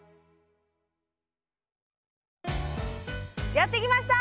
やって来ました！